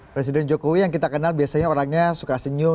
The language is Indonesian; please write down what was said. presiden jokowi yang kita kenal biasanya orangnya suka senyum